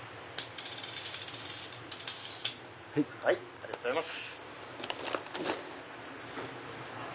ありがとうございます。